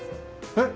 えっ！？